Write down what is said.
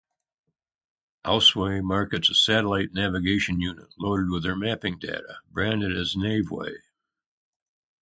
Ausway markets a satellite navigation unit loaded with their mapping data, branded as Navway.